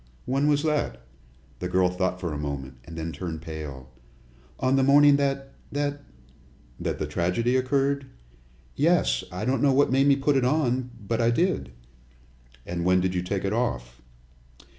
"When was that?" The girl thought for a moment, and then turned pale. "On the morning that that " "That the tragedy occurred?" "Yes. I don't know what made me put it on, but I did." "And when did you take it off?"